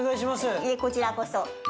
こちらこそ。